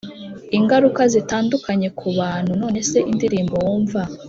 ingaruka zitandukanye ku bantu None se indirimbo wumva